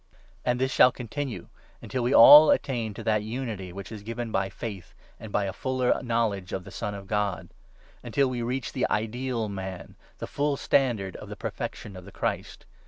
And this shall 13 continue, until we all attain to that unity which is given by faith and by a fuller knowledge of the Son of God ; until we reach the ideal man — the full standard of the perfection of the Christ.